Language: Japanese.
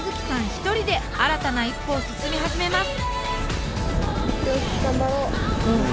一人で新たな一歩を進み始めます。